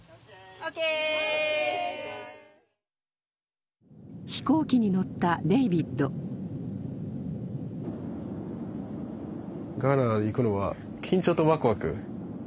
・ＯＫ・ガーナ行くのは緊張とワクワク。